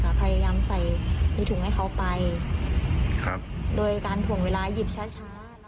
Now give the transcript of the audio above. พยายามใส่ในถุงให้เขาไปครับโดยการถ่วงเวลาหยิบช้าช้า